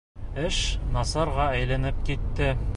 Эш насарға әйләнеп китте.